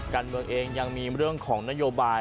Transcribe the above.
การเมืองเองยังมีเรื่องของนโยบาย